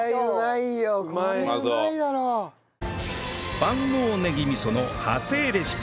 万能ねぎ味噌の派生レシピ